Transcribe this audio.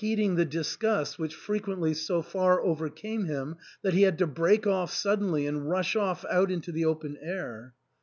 heeoing the disgust which frequently so far overcame him that he had to break off suddenly and rush off out into the open air.